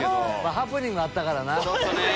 ハプニングあったから。